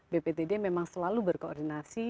bptd memang selalu berkoordinasi